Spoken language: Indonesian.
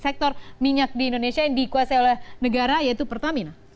sektor minyak di indonesia yang dikuasai oleh negara yaitu pertamina